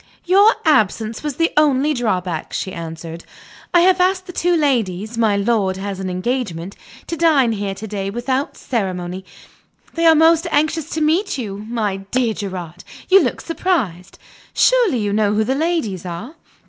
"Your absence was the only drawback," she answered. "I have asked the two ladies (my lord has an engagement) to dine here to day, without ceremony. They are most anxious to meet you. My dear Gerard! you look surprised. Surely you know who the ladies are?"